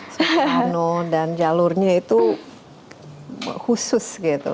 soekarno dan jalurnya itu khusus gitu